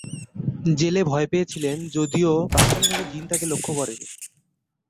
জেলে ভয় পেয়েছিলেন, যদিও প্রাথমিকভাবে জিন তাকে লক্ষ্য করেনি।